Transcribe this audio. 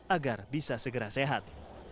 agar bisa segera sehat